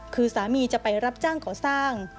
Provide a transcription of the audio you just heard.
คือสามีจะไปรับจ้างก่อสร้าง